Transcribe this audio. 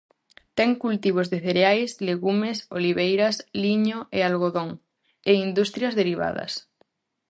Ten cultivos de cereais, legumes, oliveiras, liño e algodón, e industrias derivadas.